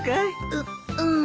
うっうん。